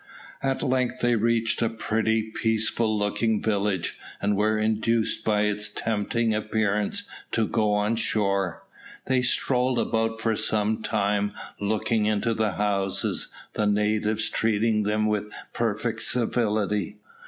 At length they reached a pretty, peaceful looking village, and were induced by its tempting appearance to go on shore. They strolled about for some time, looking into the houses, the natives treating them with perfect civility.